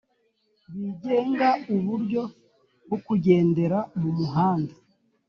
bigenga uburyo bwo kugendera mu muhanda